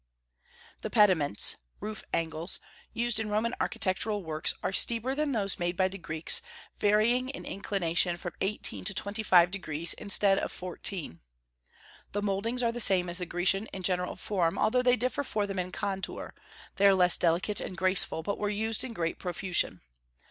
The pediments (roof angles) used in Roman architectural works are steeper than those made by the Greeks, varying in inclination from eighteen to twenty five degrees, instead of fourteen. The mouldings are the same as the Grecian in general form, although they differ from them in contour; they are less delicate and graceful, but were used in great profusion.